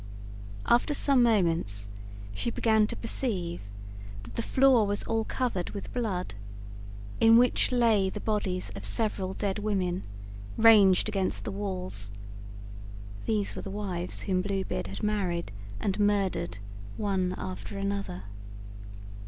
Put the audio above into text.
After some moments she began to perceive that the floor was all covered with blood, in which lay the bodies of several dead women, ranged against the walls. (These were the wives whom Blue Beard had married and murdered, one after another.)